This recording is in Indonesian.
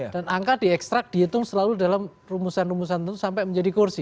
dan angka di ekstrak dihitung selalu dalam rumusan rumusan itu sampai menjadi kursi